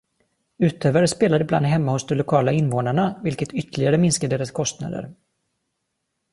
Utövare spelar ibland hemma hos de lokala invånarna, vilket ytterligare minskar deras kostnader.